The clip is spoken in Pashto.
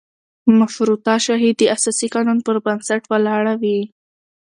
مشروطه شاهي د اساسي قانون په بنسټ ولاړه وي.